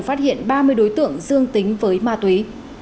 phát hiện ba mươi đối tượng dương tính với ma túy